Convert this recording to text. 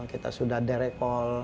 kita sudah derepol